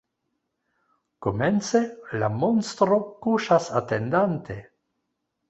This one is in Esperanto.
Komence, la monstro kuŝas atendante.